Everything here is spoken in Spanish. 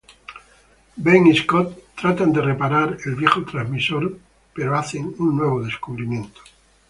Ben y Scott tratan de reparar el viejo transmisor pero hacen un nuevo descubrimiento.